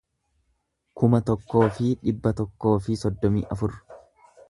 kuma tokkoo fi dhibba tokkoo fi soddomii afur